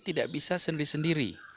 tidak bisa sendiri sendiri